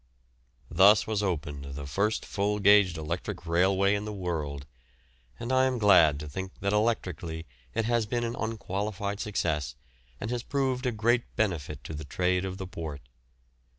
Thus was opened the first full gauged electric railway in the world, and I am glad to think that electrically it has been an unqualified success and has proved a great benefit to the trade of the port.